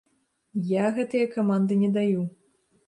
Я гэтыя каманды не даю.